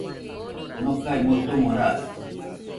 Nokae motomo raɨ,